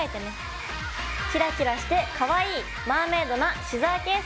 キラキラしてかわいい「マーメイドなシザーケース」。